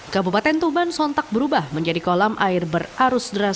kabupaten tuban sontak berubah menjadi kolam air berarus deras